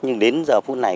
nhưng đến giờ phút này